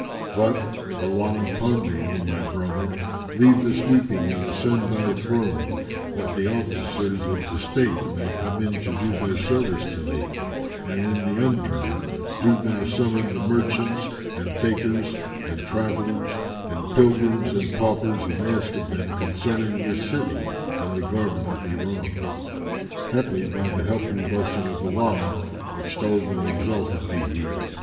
But, Allah upon thee, O my brother, leave this weeping and ascend thy throne, that the Officers of the State may come in to do their service to thee, and in the undurn, do thou summon the merchants and fakirs and travellers and pilgrims and paupers and ask of them concerning this city and the garden of Iram; haply by the help and blessing of Allah (extolled and exalted be He!)